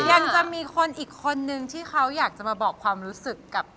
ยังจะมีคนอีกคนนึงที่เขาอยากจะมาบอกความรู้สึกกับ